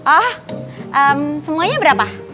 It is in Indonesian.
oh semuanya berapa